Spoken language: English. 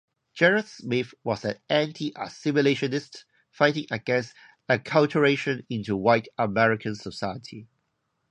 Jarrett Smith was an anti-assimilationist, fighting against acculturation into white American society.